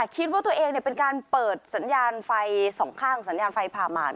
คิดว่าตัวเองเป็นการเปิดสัญญาณไฟสองข้างสัญญาณไฟผ่าหมาก